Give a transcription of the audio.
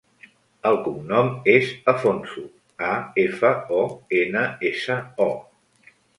El cognom és Afonso: a, efa, o, ena, essa, o.